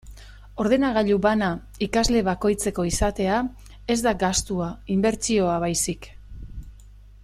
Ordenagailu bana ikasle bakoitzeko izatea ez da gastua, inbertsioa baizik.